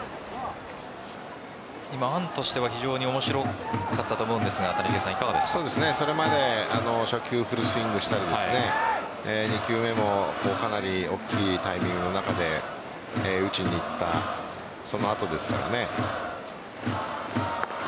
今、案としては非常に面白かったと思うんですがそれまで初球、フルスイングしたり２球目もかなり大きいタイミングの中で打ちにいったその後ですからね。